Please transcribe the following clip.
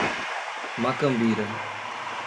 Macambira